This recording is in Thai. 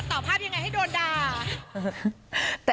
ตัดต่อภาพยังไงให้โดนด่า